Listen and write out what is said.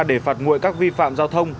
để phạt nguội các vi phạm giao thông